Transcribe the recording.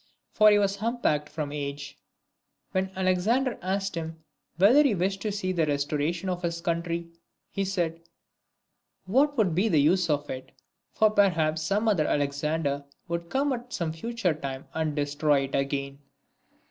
For he was humpbacked from age. XI. When Alexander asked him whether he wished to see the restoration of his country, he said, "What would be the use of it ? for perhaps some other Alexander would come at some future time and destroy it again.